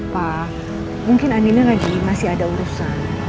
pak mungkin andina lagi masih ada urusan